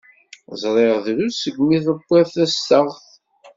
Ẓriɣ drus segmi tewwiḍ tastaɣt.